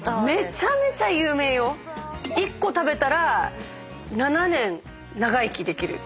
１個食べたら７年長生きできる。